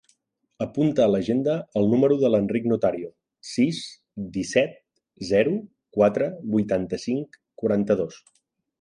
Apunta a l'agenda el número de l'Enric Notario: sis, disset, zero, quatre, vuitanta-cinc, quaranta-dos.